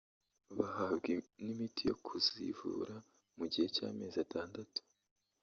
bahabwa n’imiti yo kuzivura mu gihe cy’amezi atandatu